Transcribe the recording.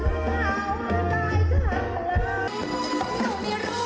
ทุกคนไม่รู้จริงว่าคงมียาดยิ่งคอยห่วง